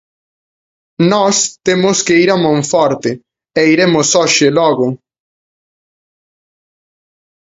Nós temos que ir a Monforte e iremos hoxe logo.